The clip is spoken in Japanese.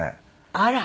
あら。